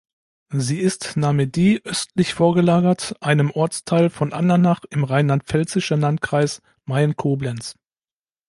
Sie ist Namedy östlich vorgelagert, einem Ortsteil von Andernach im rheinland-pfälzischen Landkreis Mayen-Koblenz.